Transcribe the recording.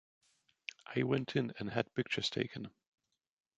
I went in and had pictures taken.